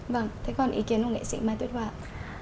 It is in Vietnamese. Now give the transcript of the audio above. vâng thế còn ý kiến của nghệ sĩ mai tuyết hoa ạ